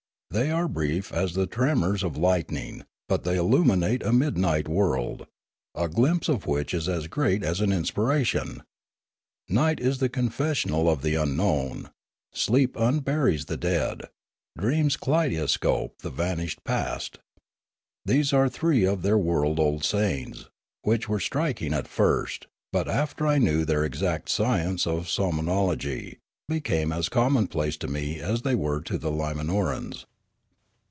They are brief as the tremors of lightning, but they illumi nate a midnight world, a glimpse of which is as great as an inspiration. " Night is the confessional of the unknown"; " Sleep unburies the dead"; " Dreams kaleidoscope the vanished past." These are three of their world old sayings, which were striking at first, but after I knew their exact science of somnology, be came as commonplace to me as they were to the Limanorans.